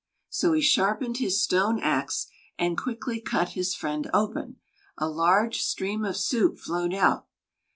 So he sharpened his stone axe and quickly cut his friend open; a large stream of soup flowed out.